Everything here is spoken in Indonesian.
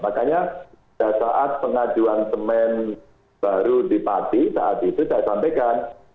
makanya pada saat pengajuan semen baru di pati saat itu saya sampaikan